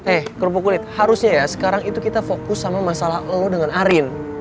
eh kerupuk kulit harusnya ya sekarang itu kita fokus sama masalah lo dengan arin